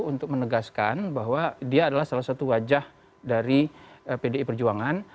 untuk menegaskan bahwa dia adalah salah satu wajah dari pdi perjuangan